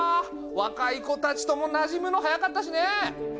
若い子たちともなじむの早かったしね。